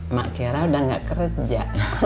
mak kira udah gak kerja